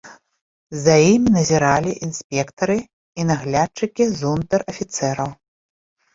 За імі назіралі інспектары і наглядчыкі з унтэр-афіцэраў.